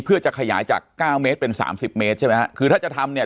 เพื่อจะขยายจากเก้าเมตรเป็นสามสิบเมตรใช่ไหมฮะคือถ้าจะทำเนี่ย